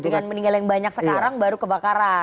dengan meninggal yang banyak sekarang baru kebakaran